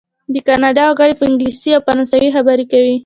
د کانادا وګړي په انګلیسي او فرانسوي خبرې کوي.